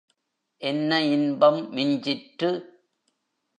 என்ன இன்பம் மிஞ்சிற்று?